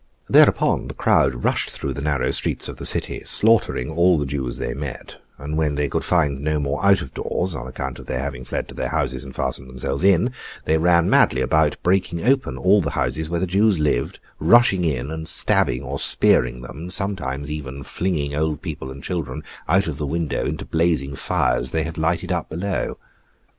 Thereupon the crowd rushed through the narrow streets of the city, slaughtering all the Jews they met; and when they could find no more out of doors (on account of their having fled to their houses, and fastened themselves in), they ran madly about, breaking open all the houses where the Jews lived, rushing in and stabbing or spearing them, sometimes even flinging old people and children out of window into blazing fires they had lighted up below.